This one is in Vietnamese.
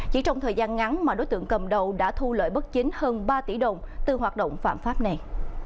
chỉ trong thời gian ngắn mà đối tượng cầm đầu đã thu lợi bất chính hơn ba tỷ đồng từ hoạt động phạm pháp này